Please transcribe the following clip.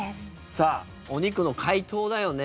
さあ、お肉の解凍だよね